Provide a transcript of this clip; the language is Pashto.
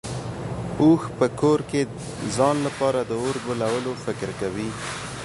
اوښ په کور کې ځان لپاره د اور بلولو فکر کوي.